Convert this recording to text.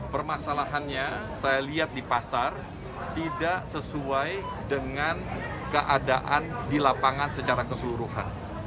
permasalahannya saya lihat di pasar tidak sesuai dengan keadaan di lapangan secara keseluruhan